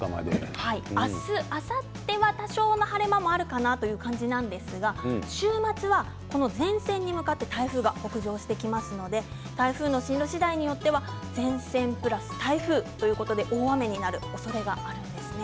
明日あさっては貴重な晴れ間もあるかなという感じなんですが週末はこの前線に向かって台風が北上してきますので台風の進路次第では前線プラス台風ということで大雨になるおそれがあるんですね。